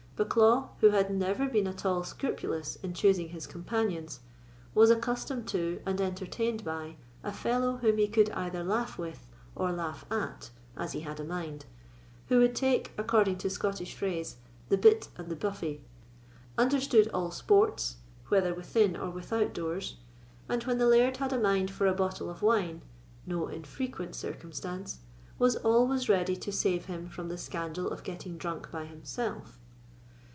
Bucklaw, who had never been at all scrupulous in choosing his companions, was accustomed to, and entertained by, a fellow whom he could either laugh with or laugh at as he had a mind, who would take, according to Scottish phrase, "the bit and the buffet," understood all sports, whether within or without doors, and, when the laird had a mind for a bottle of wine (no infrequent circumstance), was always ready to save him from the scandal of getting drunk by himself.